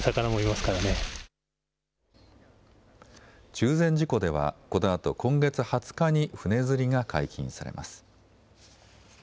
中禅寺湖ではこのあと今月２０日に船釣りが解禁されます。